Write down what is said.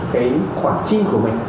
cái khoản chi của mình